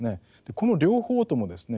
この両方ともですね